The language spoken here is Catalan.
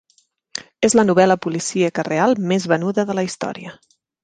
És la novel·la policíaca real més venuda de la història.